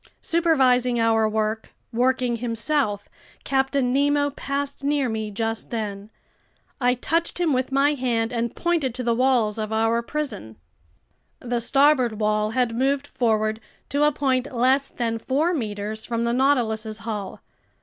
Supervising our work, working himself, Captain Nemo passed near me just then. I touched him with my hand and pointed to the walls of our prison. The starboard wall had moved forward to a point less than four meters from the Nautilus's hull.